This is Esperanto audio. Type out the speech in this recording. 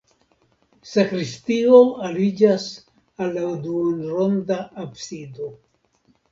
Sakristio aliĝas al la duonronda absido.